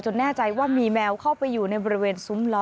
แน่ใจว่ามีแมวเข้าไปอยู่ในบริเวณซุ้มล้อ